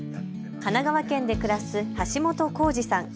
神奈川県で暮らす橋本康二さん。